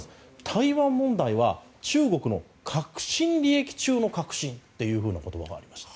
台湾問題は中国の核心利益中の核心という言葉がありました。